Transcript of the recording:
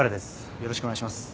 よろしくお願いします。